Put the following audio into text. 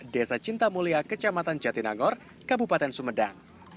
desa cinta mulia kecamatan jatinangor kabupaten sumedang